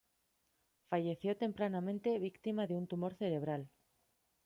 Falleció tempranamente víctima de un tumor cerebral.